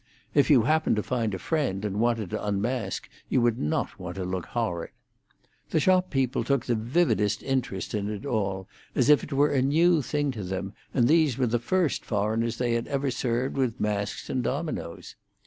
If you happened to find a friend, and wanted to unmask, you would not want to look horrid. The shop people took the vividest interest in it all, as if it were a new thing to them, and these were the first foreigners they had ever served with masks and dominoes.